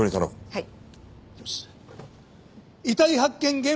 はい！